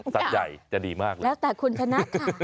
สัตว์ใหญ่จะดีมากแล้วแต่คุณชนะค่ะ